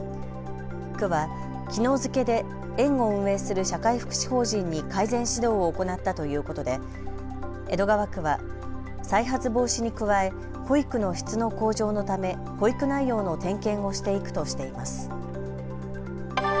区はきのう付けで園を運営する社会福祉法人に改善指導を行ったということで江戸川区は再発防止に加え保育の質の向上のため保育内容の点検をしていくとしています。